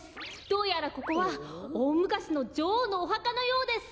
どうやらここはおおむかしのじょおうのおはかのようです。